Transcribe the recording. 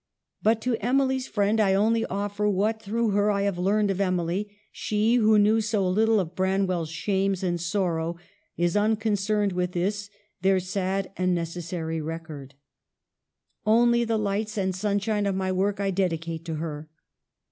But to Emily's friend I only offer what, through her, I have learned of Emily; she, who knew so little of Branwell's shames and sorrow, is unconcerned with this, their sad and necessary record. Only the lights and sunshine of my work I dedicate to her.